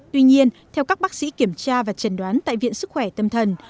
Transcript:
tuy nhiên theo các bác sĩ kiểm tra và trần đoán tại viện sức khỏe tâm thần